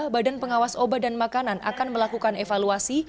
badan pengawas obat dan makanan akan melakukan evaluasi